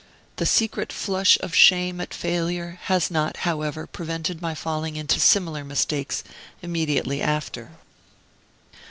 The secret flush of shame at failure has not, however, prevented my falling into similar mistakes immediately after.